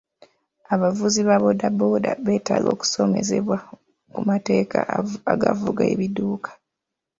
Abavuzi ba booda booda beetaaga okusomesebwa ku mateeka agafuga ebidduka.